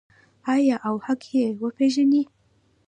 آیا او حق یې وپیژني؟